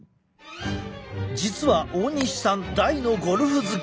実は大西さん大のゴルフ好き。